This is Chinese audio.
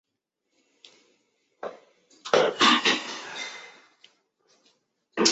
珀尔齐希是德国图林根州的一个市镇。